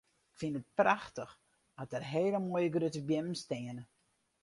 Ik fyn it prachtich at der hele moaie grutte beammen steane.